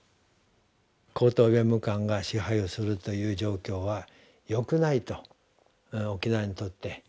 高等弁務官が支配をするという状況はよくないと沖縄にとって。